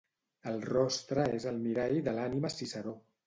El rostre és el mirall de l'ànima Ciceró